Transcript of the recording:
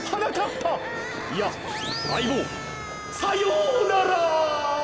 ぱいやあいぼうさようなら！